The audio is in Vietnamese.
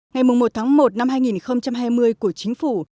ngày một tháng một năm hai nghìn hai mươi của chính phủ